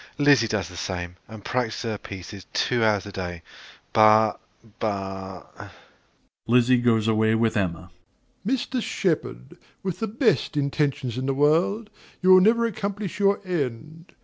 Lizzie does the same, and practises her pieces two hours a day; but but (Lizzie goes away with Emma.) DOMINIE. Mr. Shepard, with the best intentions in the world, you will never accomplish your end.